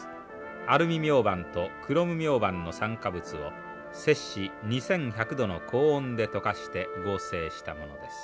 アルミミョウバンとクロムミョウバンの酸化物を摂氏２，１００度の高温で溶かして合成したものです。